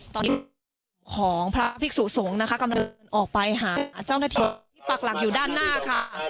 ตอนนี้ของพระภิกษุสงฆ์นะคะกำลังออกไปหาเจ้าหน้าที่ที่ปักหลักอยู่ด้านหน้าค่ะ